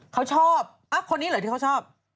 เขาชอบคนนี้เหรอที่เขาชอบ